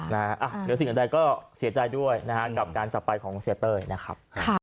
เดี๋ยวสิ่งอันดัยก็เสียใจด้วยกับการจับไปของเซฟเต้ยนะครับ